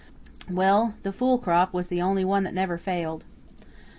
"Well, the fool crop was the only one that never failed."